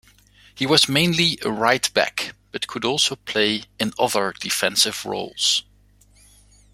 He was mainly a right-back but could also play in other defensive roles.